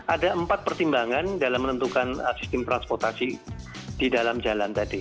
ada empat pertimbangan dalam menentukan sistem transportasi di dalam jalan tadi